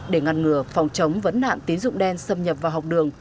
để ngăn ngừa phòng chống vấn nạn tín dụng đen xâm nhập vào học đường